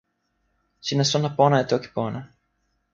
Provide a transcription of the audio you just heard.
sina sona pona e toki pona.